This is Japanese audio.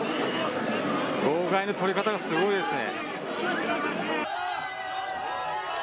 号外の取り方がすごいですね。